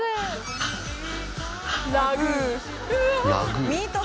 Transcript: ラグー？